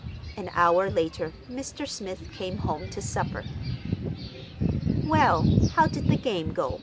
An hour later Mr. Smith came home to supper. "Well, how did the game go?"